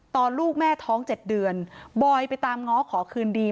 ลูกแม่ท้อง๗เดือนบอยไปตามง้อขอคืนดี